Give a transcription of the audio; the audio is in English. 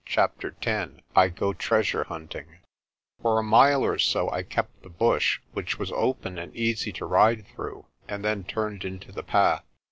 CHAPTER X I GO TREASURE HUNTING FOR a mile or so I kept the bush, which was open and easy to ride through, and then turned into the path.